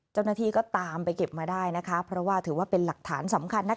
เจ้าหน้าที่ก็ตามไปเก็บมาได้นะคะเพราะว่าถือว่าเป็นหลักฐานสำคัญ